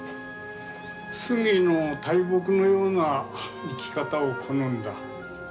杉の大木のような生き方を好んだ。